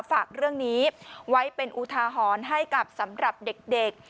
ฝากเรื่องนี้ไว้เป็นอุทาหรณ์ให้กับสำหรับเด็ก